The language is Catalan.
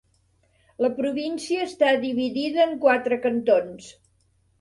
La província està dividida en quatre cantons.